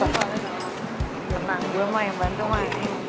pernah gue mah yang bantu mah